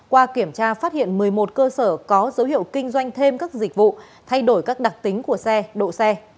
qua kiểm tra phát hiện một mươi một cơ sở có dấu hiệu kinh doanh thêm các dịch vụ thay đổi các đặc tính của xe độ xe